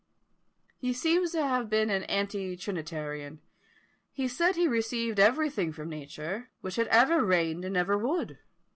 He seems to have been an anti trinitarian. He said he received everything from nature, which had ever reigned and ever would.